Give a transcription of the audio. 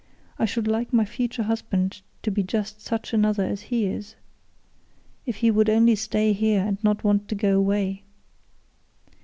I should like my future husband to be just such another as he is, if he would only stay here and not want to go away.